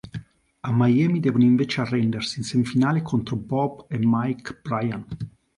A Miami devono invece arrendersi in semifinale contro Bob e Mike Bryan.